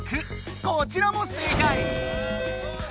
こちらも正解！